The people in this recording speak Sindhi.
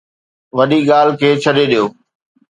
وڏي ڳالهه کي ڇڏي ڏيو